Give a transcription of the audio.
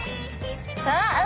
あっ。